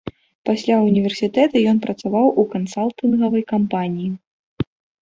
Пасля ўніверсітэта ён працаваў у кансалтынгавай кампаніі.